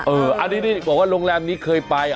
อันนี้บอกว่าโรงแรมนี้เคยไป